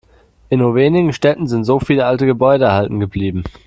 In nur wenigen Städten sind so viele alte Gebäude erhalten geblieben.